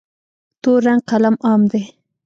تور رنګ قلم عام دی.